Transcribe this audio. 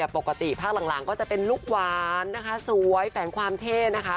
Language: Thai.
ปกติภาคหลังก็จะเป็นลูกหวานนะคะสวยแฝงความเท่นะคะ